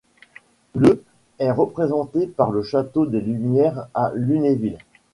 Le est représenté par le Château des Lumières à Lunéville.